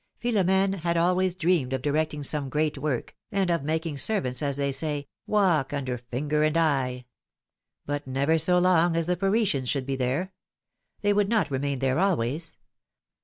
Philom^ne had always dreamed of directing some great work, aiid of making servants, as they say, walk under finger and eye ! But never so long as the Parisians should be there! They would not remain there always.